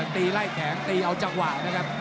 ตีไล่แขนตีเอาจังหวะนะครับ